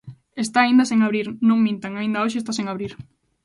Está aínda sen abrir, non mintan, aínda hoxe está sen abrir.